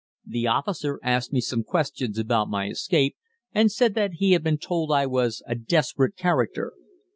The officer asked me some questions about my escape, and said that he had been told I was a desperate character.